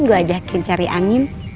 gue ajakin cari angin